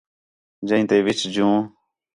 جئیں تے وِچ جوں